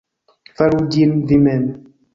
Faru ĝin vi mem'.